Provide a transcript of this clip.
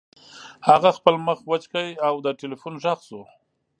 هغه خپل مخ وچ کړ او د ټیلیفون غږ شو